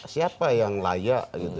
siapa yang layak